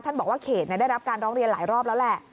บอกว่าเขตได้รับการร้องเรียนหลายรอบแล้วแหละ